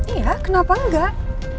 iya kenapa enggak